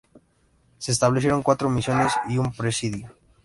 Se establecieron cuatro misiones y un presidio.